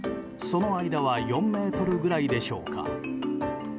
その間は４ｍぐらいでしょうか。